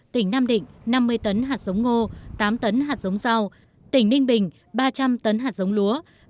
tỉnh nam định năm mươi tấn hạt sống ngô tám tấn hạt giống rau tỉnh ninh bình ba trăm linh tấn hạt giống lúa